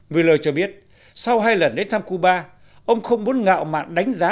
miller cho biết sau hai lần đến thăm cuba ông không muốn ngạo mạn đánh giá